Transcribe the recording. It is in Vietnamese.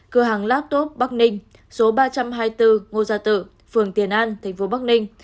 cửa hàng laptop bắc ninh số ba trăm hai mươi bốn ngô gia tự phường tiền an thành phố bắc ninh